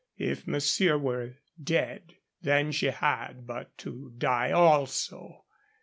If monsieur were dead, then she had but to die also.